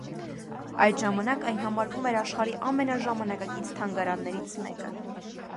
Այդ ժամանակ այն համարվում էր աշխարհի ամենաժամանակակից թանգարաններից մեկը։